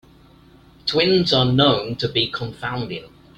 Twins are known to be confounding.